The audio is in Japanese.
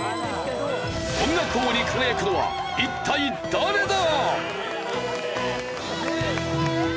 音楽王に輝くのは一体誰だ！？